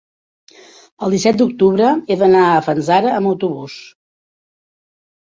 El disset d'octubre he d'anar a Fanzara amb autobús.